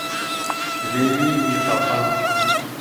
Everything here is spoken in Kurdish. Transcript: Dilê wî, wî xapand.